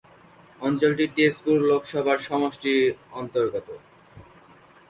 অঞ্চলটি তেজপুর লোকসভা সমষ্টির অন্তর্গত।